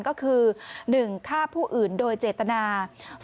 ก็คือ๑ฆ่าผู้อื่นโดยเจตนา